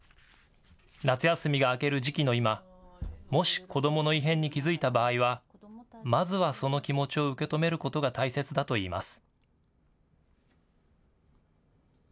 夏休みが明ける時期の今、もし子どもの異変に気付いた場合はまずはその気持ちを受け止めることが大切だといいます。